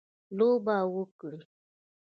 لوبه وکړي.